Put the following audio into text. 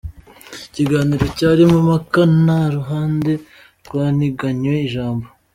Ikiganiro cyarimo impaka, nta ruhande rwaniganywe ijambo.